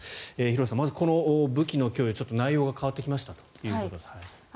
廣瀬さん、まずこの武器供与の内容が変わってきたということですが。